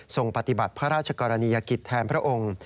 ปฏิบัติพระราชกรณียกิจแทนพระองค์